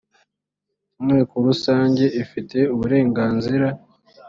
inteko rusange ifite uburenganzira.